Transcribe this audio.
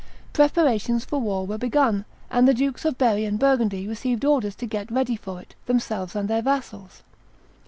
Preparations for war were begun; and the Dukes of Berry and Burgundy received orders to get ready for it, themselves and their vassals.